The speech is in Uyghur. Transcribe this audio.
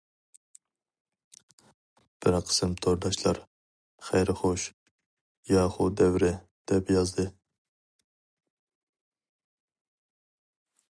بىر قىسىم تورداشلار« خەير- خوش، ياخۇ دەۋرى»، دەپ يازدى.